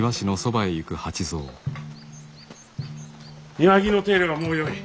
庭木の手入れはもうよい。